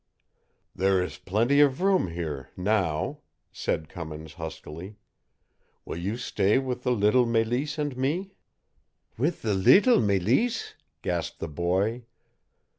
"There is plenty of room here now," said Cummins huskily. "Will you stay with the little Mélisse and me?" "With the leetle Mélisse!" gasped the boy.